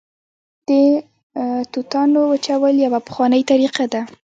د توتانو وچول یوه پخوانۍ طریقه ده